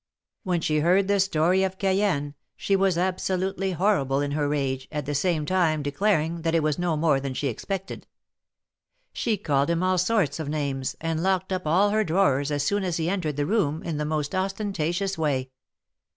When she heard the story of Cayenne, she was absolutely horrible in her rage, at the same time declaring that it was no more than she expected. She called him all sorts of names, and locked up all her drawers as soon as he entered the room, in the most ostentatious way.